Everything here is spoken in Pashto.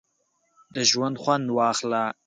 د ژونده خوند واخله!